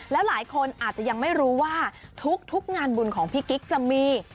แล้วหลายคนอาจจะยังไม่รู้ว่าทุกงานบุญของพี่กิ๊กจะมี